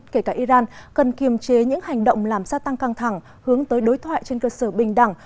kể cả iran cần kiềm chế những hành động làm gia tăng căng thẳng hướng tới đối thoại trên cơ sở bình đẳng